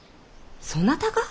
そなたが？